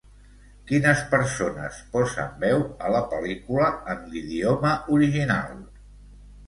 Quines persones posen veu a la pel·lícula, en l'idioma original?